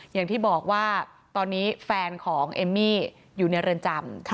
อย่างที่บอกว่าตอนนี้แฟนของเอมมี่อยู่ในเรือนจำ